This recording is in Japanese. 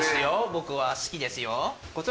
僕は好きですよ。